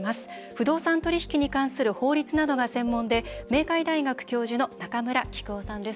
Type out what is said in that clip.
不動産取引に関する法律などが専門で明海大学教授の中村喜久夫さんです。